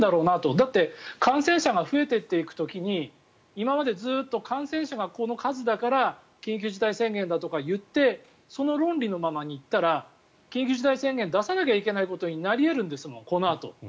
だって、感染者が増えていく時に今まで感染者がこの数だから緊急事態宣言だとか言ってその論理のままに行ったら緊急事態宣言出さなきゃいけないことになり得るんですもん。